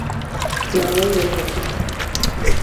Gañou no Helmántico.